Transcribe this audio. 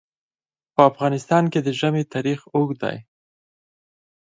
په افغانستان کې د ژمی تاریخ اوږد دی.